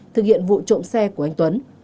thực hiện vụ trộm xe của anh tuấn